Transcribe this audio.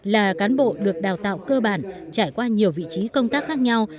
là cán bộ được đào tạo cơ bản trải qua nhiều vị trí công tác khác nhau